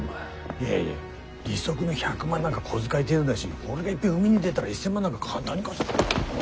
いやいや利息の１００万なんか小遣い程度だし俺がいっぺん海に出だら１，０００万なんか簡単に。